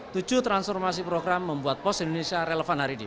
tujuh transformasi program membuat pos indonesia relevan hari ini